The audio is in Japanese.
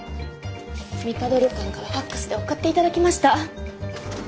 みかど旅館からファックスで送って頂きました。